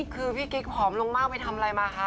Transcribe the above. คือพี่กิ๊กผอมลงมากไปทำอะไรมาคะ